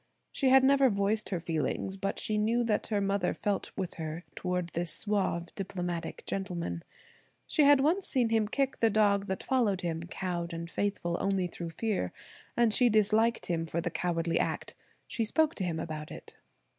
She had never voiced her feelings but she knew that her mother felt with her toward this suave, diplomatic gentleman. She had once seem him kick the dog that followed him, cowed and faithful only through fear, and she disliked him for the cowardly act. She spoke to him about it.